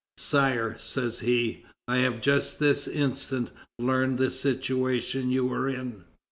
"Sire," says he, "I have just this instant learned the situation you were in."